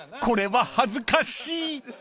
これは恥ずかしい！］